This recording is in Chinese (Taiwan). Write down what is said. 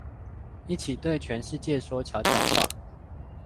一起來對全世界說悄悄話